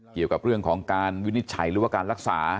เกี่ยวกับเรื่องของการวินิจฉัยหรือว่าการรักษา